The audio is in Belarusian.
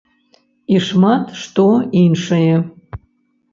І шмат што іншае.